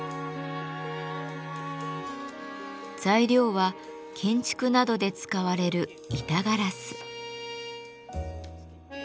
材料は建築などで使われる板ガラス。